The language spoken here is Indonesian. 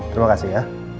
terima kasih ya